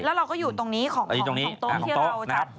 แล้วเราก็อยู่ตรงนี้ของโต๊ะที่เราจัด